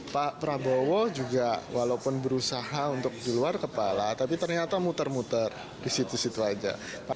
pak prabowo juga walaupun berusaha untuk di luar kepala tapi ternyata muter muter di situ situ aja